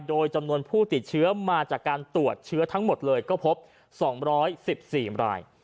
โดยจำนวนผู้ติดเชื้อมาจากการตรวจเชื้อทั้งหมดเลยก็พบ๒๑๔ราย